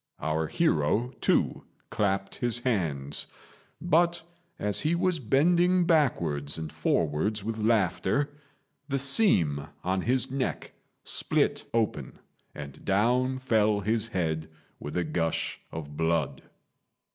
Our hero, too, clapped his hands; but, as he was bending backwards and forwards with laughter, the seam on his neck split open, and down fell his head with a gush of blood.